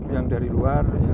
yang dari luar